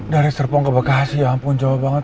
dari serpong ke bekasi ya ampun jauh banget